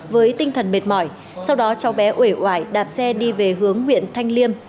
với tinh thần mệt mỏi sau đó cháu bé ủi ủi đạp xe đi về hướng huyện thanh liêm